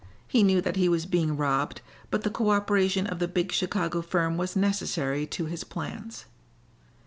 He knew that he was being robbed, but the co operation of the big Chicago firm was necessary to his plans.